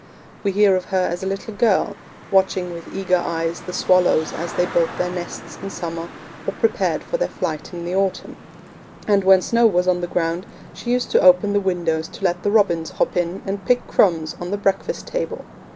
We hear of her as a little girl watching with eager eyes the swallows as they built their nests in summer or prepared for their flight in the autumn; and when snow was on the ground she used to open the windows to let the robins hop in and pick crumbs on the breakfast table.